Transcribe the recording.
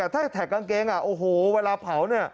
ถ้าด้วยแทคกางเกงโอ้โหเวลาเผา